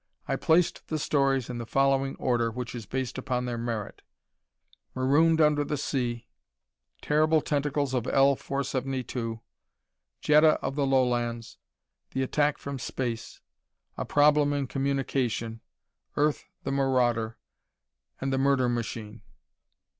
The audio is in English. I placed the stories in the following order, which is based upon their merit: "Marooned Under the Sea"; "Terrible Tentacles of L 472"; "Jetta of the Lowlands"; "The Attack from Space"; "A Problem in Communication"; "Earth the Marauder," and "The Murder Machine."